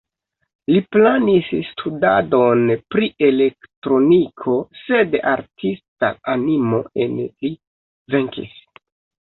Li planis studadon pri elektroniko, sed artista animo en li venkis.